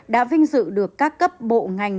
đã vinh dự được các cấp bộ ngành